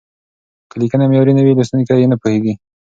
که لیکنه معیاري نه وي، لوستونکي یې نه پوهېږي.